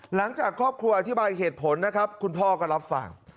หลังจากครอบครัวอธิบายเหตุผลนะครับคุณพ่อก็รับฟัง